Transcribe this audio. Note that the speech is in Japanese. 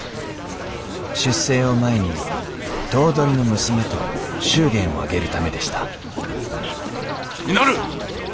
出征を前に頭取の娘と祝言を挙げるためでした稔！